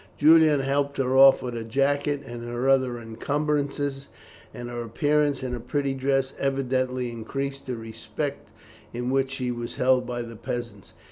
Julian helped her off with her jacket and her other encumbrances, and her appearance in a pretty dress evidently increased the respect in which she was held by the peasants.